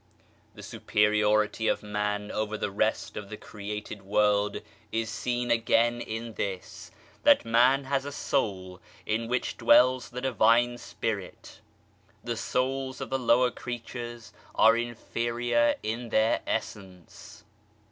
The Superiority of Man over the rest of the created world is seen again in this, that Man has a soul in which GOD COMPREHENDS ALL 21 dwells the Divine Spirit ; the souls of the lower creatures areinferior in their essence.